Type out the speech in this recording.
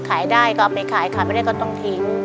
ขายได้ก็เอาไปขายขายไม่ได้ก็ต้องทิ้ง